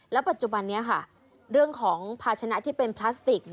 ปัจจุบันนี้ค่ะเรื่องของภาชนะที่เป็นพลาสติก